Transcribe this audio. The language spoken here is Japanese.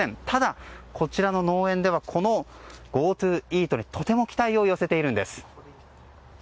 ただ、こちらの農園ではこのＧｏＴｏイートにとても期待を寄せているんです。